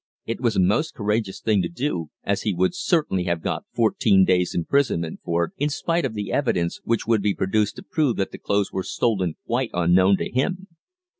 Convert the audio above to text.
It was a most courageous thing to do, as he would certainly have got fourteen days' imprisonment for it, in spite of the evidence which would be produced to prove that the clothes were stolen quite unknown to him.